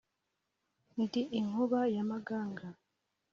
Ndi inkuba y’ amaganga.